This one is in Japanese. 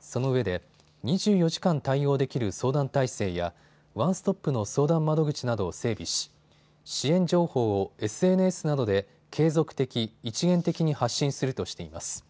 そのうえで２４時間対応できる相談体制やワンストップの相談窓口などを整備し支援情報をＳＮＳなどで継続的・一元的に発信するとしています。